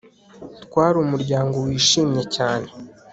Twari umuryango wishimye cyane